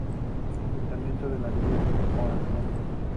Ayuntamiento de la Villa de La Orotava.